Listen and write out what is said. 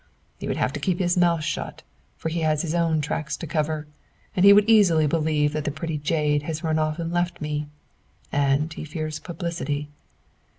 He would have to keep his mouth shut, for he has his own tracks to cover, and he would easily believe that the pretty jade has run off and left me. And he fears publicity.